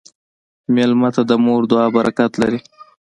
مېلمه ته د مور دعا برکت لري.